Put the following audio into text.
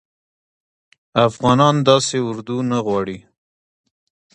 افغانان داسي اردوه نه غواړي